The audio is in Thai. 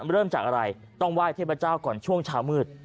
เริ่มจากอะไรต้องไหว้เทพเจ้าก่อนช่วงเช้ามืด